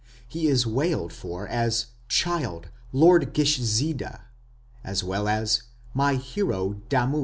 He is wailed for as "child, Lord Gishzida", as well as "my hero Damu".